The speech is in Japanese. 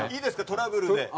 トラブルで。